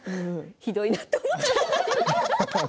ひどいなと思って。